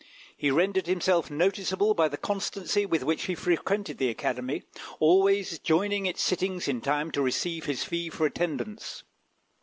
He rendered himself noticeable by the constancy with which he frequented the Academy, always joining its sittings in time to receive his fee for attendance.